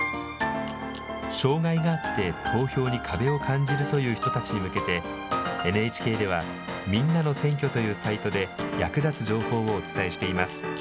障害があって投票に壁を感じるという人たちに向けて、ＮＨＫではみんなの選挙というサイトで、役立つ情報をお伝えしています。